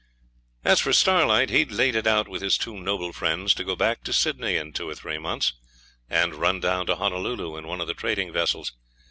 As for Starlight he'd laid it out with his two noble friends to go back to Sydney in two or three months, and run down to Honolulu in one of the trading vessels.